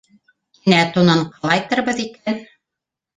Инә тунын ҡалайтырбыҙ икән?